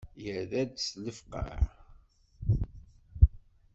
Yerra-d s lefqeε.